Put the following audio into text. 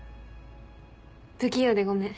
不器用でごめん。